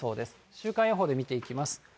週間予報で見ていきます。